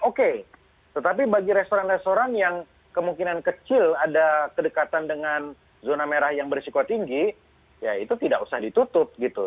oke tetapi bagi restoran restoran yang kemungkinan kecil ada kedekatan dengan zona merah yang berisiko tinggi ya itu tidak usah ditutup gitu